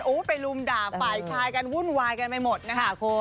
อุ้วไปรุมด่าฝ่ายชายกันวุ่นวายกันไม่มดนะฮะ